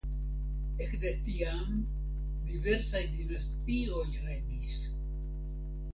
Ekde tiam diversaj dinastioj regis.